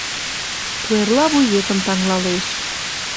Куэрла вуетым таҥлалеш.